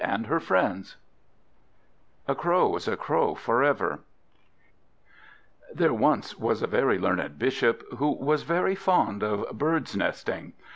A Crow is a Crow for Ever THERE once was a very learned Bishop, who was very fond of bird's nesting.